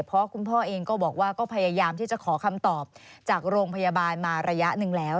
เพราะคุณพ่อเองก็บอกว่าก็พยายามที่จะขอคำตอบจากโรงพยาบาลมาระยะหนึ่งแล้ว